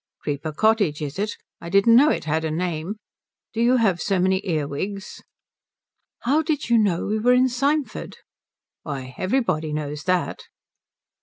"Creeper Cottage is it? I didn't know it had a name. Do you have so many earwigs?" "How did you know we were in Symford?" "Why everybody knows that."